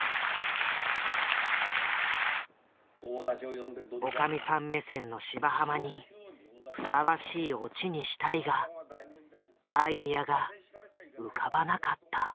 おかみさん目線の「芝浜」にふさわしいオチにしたいがアイデアが浮かばなかった。